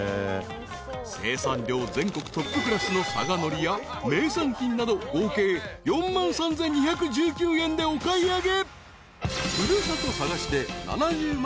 ［生産量全国トップクラスの佐賀のりや名産品など合計４万３，２１９円でお買い上げ］